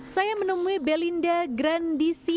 saya menemui belinda grandicia